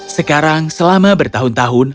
sekarang selama bertahun tahun